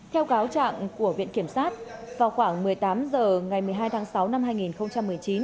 theo cáo trạng của viện kiểm sát vào khoảng một mươi tám h ngày một mươi hai tháng sáu năm hai nghìn một mươi chín